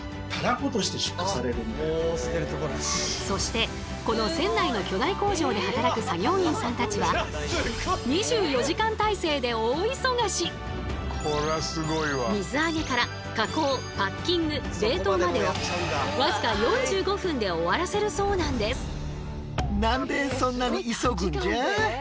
そしてこの船内の巨大工場で働く作業員さんたちは水揚げから加工パッキング冷凍までを僅か４５分で終わらせるそうなんです。